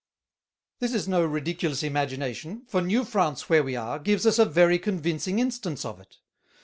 "This is no ridiculous Imagination, for New France where we are, gives us a very convincing instance of it.